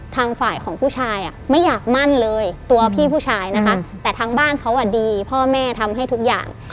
ทางฝ่ายของผู้ชายไม่อยากมั่นเลยตัวพี่ผู้ชายนะคะแต่ทางบ้านเขาอ่ะดีพ่อแม่ทำให้ทุกอย่าง